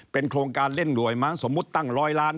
โครงการเล่นหน่วยมั้งสมมุติตั้งร้อยล้าน